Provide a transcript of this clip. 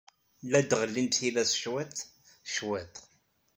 La d-ɣellint tillas cwiṭ, cwiṭ.